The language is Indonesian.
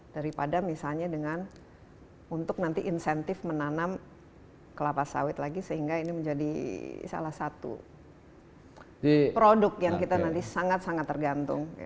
daripada misalnya dengan untuk nanti insentif menanam kelapa sawit lagi sehingga ini menjadi salah satu produk yang kita nanti sangat sangat tergantung